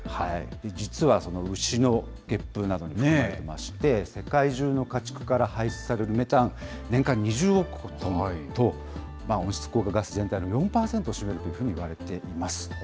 実は牛のげっぷなどに含まれていまして、世界中の家畜から排出されるメタン、年間２０億トンと、温室効果ガス全体の４％を占めるというふうにいわれています。